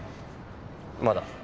まだ。